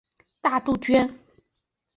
大杜鹃。